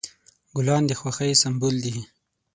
ګلان د خوښۍ سمبول دي.